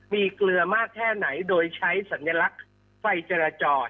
มีเกลือมากแค่ไหนโดยใช้สัญลักษณ์ไฟจราจร